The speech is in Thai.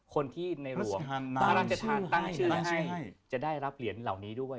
คนที่ในหลวงพระราชทานตั้งชื่อให้จะได้รับเหรียญเหล่านี้ด้วย